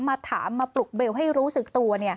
มาถามมาปลุกเบลให้รู้สึกตัว